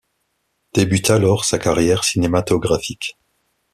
Débute alors sa carrière cinématographique.